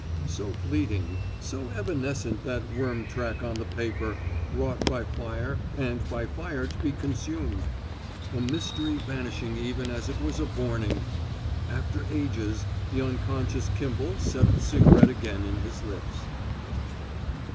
So fleeting, so evanescent that worm track on the paper, wrought by fire and by fire to be consumed. A mystery vanishing even as it was aborning! After ages, the unconscious Kimball set the cigarette again in his lips.